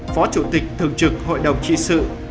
phó chủ tịch thường trực hội đồng trị sự